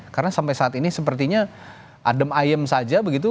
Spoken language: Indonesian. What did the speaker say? karena sampai saat ini sepertinya adem ayem saja begitu